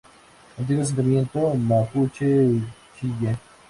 Antiguo asentamiento mapuche-huilliche.